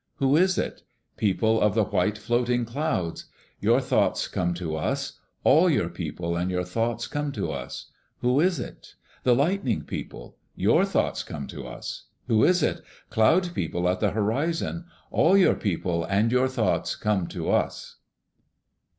Who is it? People of the white floating Clouds. Your thoughts come to us. All your people and your thoughts come to us. Who is it? The Lightning People. Your thoughts come to us. Who is it? Cloud People at the horizon. All your people and your thoughts come to us.